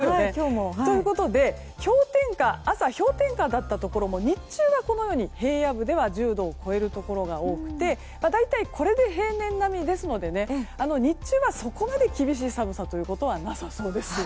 ちょっとほっとしますよね。ということで朝、氷点下だったところも日中は平野部では１０度を超えるところが多くて大体、これで平年並みですので日中は、そこまで厳しい寒さということはなさそうです。